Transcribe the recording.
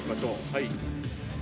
はい。